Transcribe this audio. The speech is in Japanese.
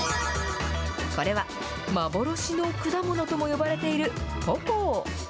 これは、幻の果物とも呼ばれているポポー。